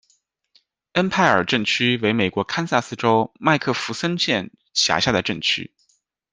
恩派尔镇区为美国堪萨斯州麦克弗森县辖下的镇区。